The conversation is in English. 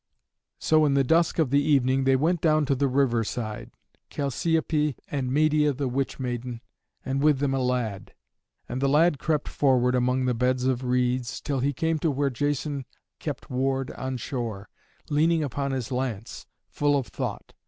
So in the dusk of the evening they went down to the river side, Chalciope and Medeia the witch maiden, and with them a lad. And the lad crept forward, among the beds of reeds, till he came to where Jason kept ward on shore, leaning upon his lance, full of thought.